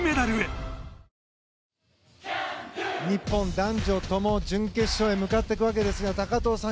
男女とも準決勝へ向かっていくわけですが高藤さん